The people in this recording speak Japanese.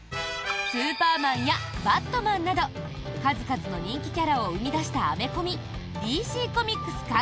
スーパーマンやバットマンなど数々の人気キャラを生み出したアメコミＤＣコミックス